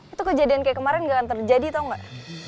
itu kejadian kayak kemarin gak akan terjadi tau gak